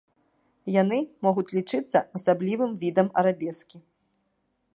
Яны могуць лічыцца асаблівым відам арабескі.